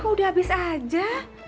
kok udah habis aja